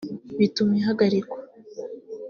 bituma ihagarikwa